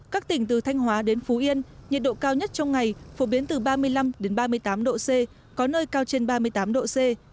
các tỉnh từ thanh hóa đến phú yên nhiệt độ cao nhất trong ngày phổ biến từ ba mươi năm ba mươi tám độ c có nơi cao trên ba mươi tám độ c